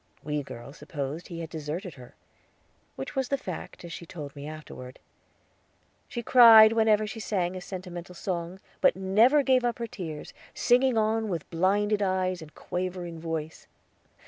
We girls supposed he had deserted her, which was the fact, as she told me afterward. She cried whenever she sang a sentimental song, but never gave up to her tears, singing on with blinded eyes and quavering voice.